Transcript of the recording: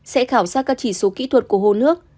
sẽ khảo sát các chỉ số kỹ thuật của hồ nước